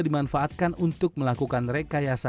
dimanfaatkan untuk melakukan rekayasa